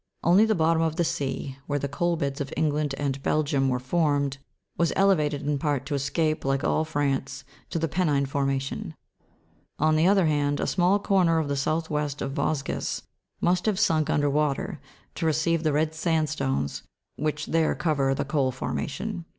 Only the bottom of the sea, where the coal beds of Eng land and Belgium were formed, was elevated in part to escape, like all France, to the penine formation. On the other hand, a small corner of the south west of Vosges must have sunk under water, to receive the red sandstones which there cover the coal formation.